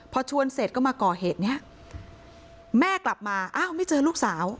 พอชวนเสร็จก็มาก่อเหตุเนี้ยแม่กลับมาอ้าวไม่เจอลูกสาว